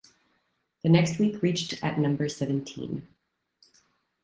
The next week reached at number seventeen.